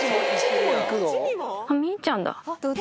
みーちゃんだ。